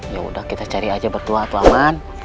yaudah kita cari aja bertuah tuhan